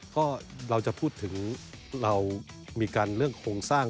ก็เราจะพูดถึงเรามีการเรื่องโครงสร้าง